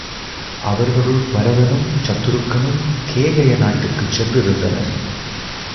அவர்களுள் பரதனும் சத்துருக்கனனும் கேகய நாட்டுக்குச் சென்றிருந்தனர்.